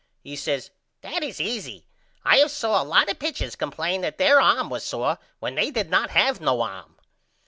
He says That is easy. I have saw a lot of pitchers complane that there arm was sore when they did not have no arm.